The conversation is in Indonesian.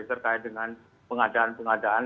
terkait dengan pengadaan pengadaan